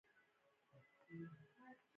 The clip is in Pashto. د لږ تر لږه معاش قانون شته؟